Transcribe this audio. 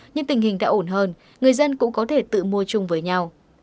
nhưng tình hình đã ổn hơn người dân cũng có thể tự mua chung với nhau